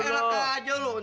tidak elak aja lu